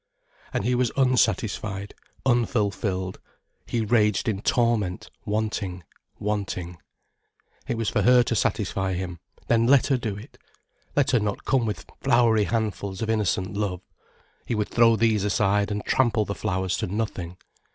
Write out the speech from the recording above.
And he was unsatisfied, unfulfilled, he raged in torment, wanting, wanting. It was for her to satisfy him: then let her do it. Let her not come with flowery handfuls of innocent love. He would throw these aside and trample the flowers to nothing.